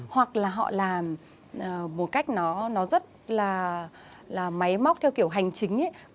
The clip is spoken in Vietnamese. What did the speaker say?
hoặc là họ làm một cách nó rất là máy móc theo kiểu hành chính